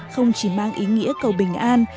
không chỉ mang ý nghĩa cầu bình an